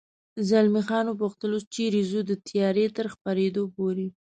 زلمی خان و پوښتل: اوس چېرې ځو؟ د تیارې تر خپرېدو پورې.